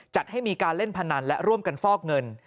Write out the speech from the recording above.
จัดให้มีการเล่นพนันและร่วมกันฟอกเงิน